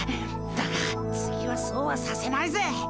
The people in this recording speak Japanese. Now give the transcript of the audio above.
だが次はそうはさせないぜ！